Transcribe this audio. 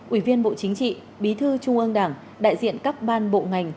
ủy viên bộ chính trị bí thư trung ương đảng đại diện các ban bộ ngành